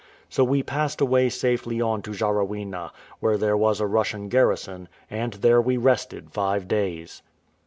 So we passed away safely on to Jarawena, where there was a Russian garrison, and there we rested five days.